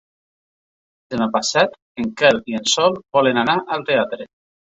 Demà passat en Quel i en Sol volen anar al teatre.